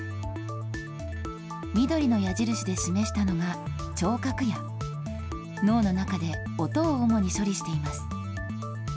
緑の矢印で示したのが聴覚野、脳の中で音を主に処理しています。